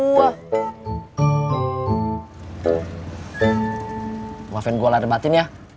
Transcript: nama juga anak laki